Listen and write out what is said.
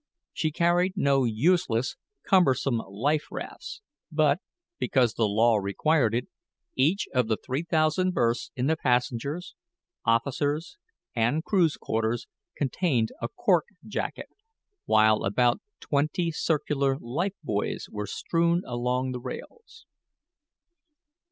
She carried no useless, cumbersome life rafts; but because the law required it each of the three thousand berths in the passengers', officers', and crew's quarters contained a cork jacket, while about twenty circular life buoys were strewn along the rails.